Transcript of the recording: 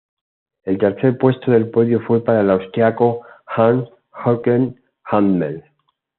El tercer puesto del podio fue para el austríaco Hans-Jürgen Hummel.